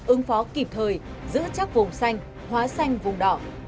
ứng phó kịp thời giữ chắc vùng xanh hóa xanh vùng đỏ